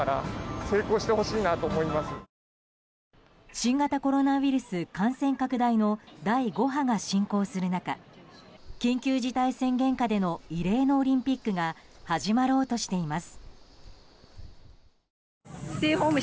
新型コロナウイルス感染拡大の第５波が進行する中緊急事態宣言下での異例のオリンピックが始まろうとしています。